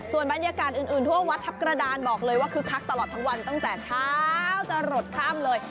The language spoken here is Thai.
ส่วนบรรยากาศอื่นทั่ววัดทัพกระดานบอกเลยว่าคึกคักตลอดทั้งวันตั้งแต่เช้าจะหลดค่ำเลย